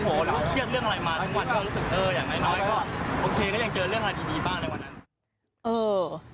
โอ้โหแล้วก็เครียดเรื่องอะไรมาทั้งวันก็รู้สึกเอออย่างน้อยก็โอเคก็ยังเจอเรื่องอะไรดีบ้างในวันนั้น